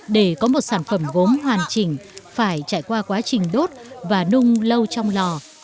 để có một sản phẩm gốm hoàn chỉnh phải trải qua quá trình đốt và nung lâu trong lò